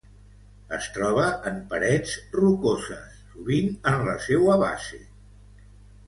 Es troba en parets rocoses, sovint en la seua base.